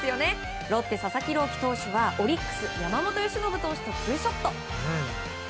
ロッテ、佐々木朗希投手はオリックス、山本由伸選手とツーショット。